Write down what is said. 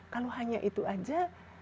kalau hanya itu saja